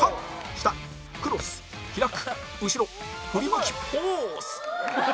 下クロス開く後ろ振り向きポーズ